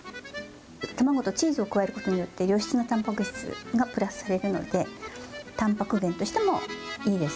卵とチーズを加えることによって良質なたんぱく質がプラスされるので、たんぱく源としてもいいです。